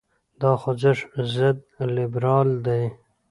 دا خوځښت ضد لیبرال دی.